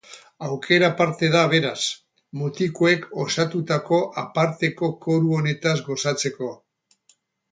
Aukera aparte da beraz, mutikoek osatutako aparteko koru honetaz gozatzeko.